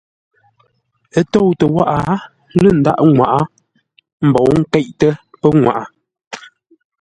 Ə́ tóutə́ wághʼə lə́ ndaghʼ ŋwaʼá mbǒu nkéiʼtə́ pəŋwaʼa.